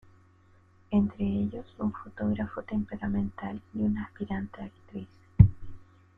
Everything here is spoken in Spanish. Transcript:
Entre ellos un fotógrafo temperamental y una aspirante a actriz.